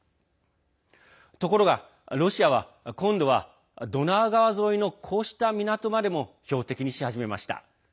ところが、ロシアは今度はドナウ川沿いのこうした港までも標的にし始めました。